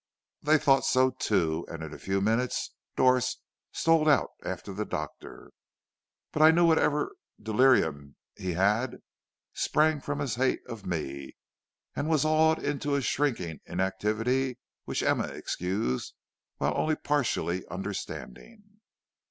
"They thought so too, and in a few minutes Doris stole out after the doctor, but I knew whatever delirium he had sprang from his hate of me, and was awed into a shrinking inactivity which Emma excused while only partially understanding.